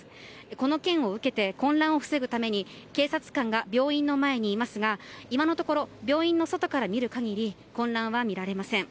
この件を受けて混乱を防ぐために警察官が病院の前にいますが今のところ病院の外から見る限り混乱は見られません。